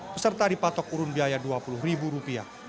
peserta dipatok urun biaya rp dua puluh